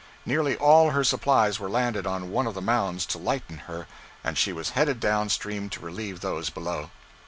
Nearly all her supplies were landed on one of the mounds to lighten her, and she was headed down stream to relieve those below.